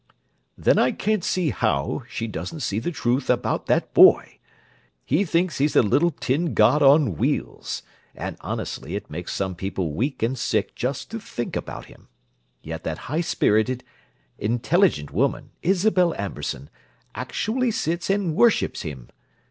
"Then I can't see how she doesn't see the truth about that boy. He thinks he's a little tin god on wheels—and honestly, it makes some people weak and sick just to think about him! Yet that high spirited, intelligent woman, Isabel Amberson, actually sits and worships him!